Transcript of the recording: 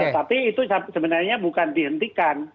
tapi itu sebenarnya bukan dihentikan